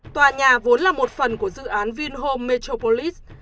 tòa nhà vốn là một phần của dự án vinhome metropolis